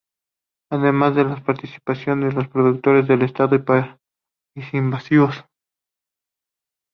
Además de la participación de productores del estado y país invitados.